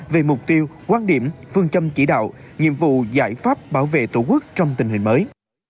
về mục tiêu quan điểm phương châm chỉ đạo nhiệm vụ giải pháp bảo vệ tổ quốc trong tình hình mới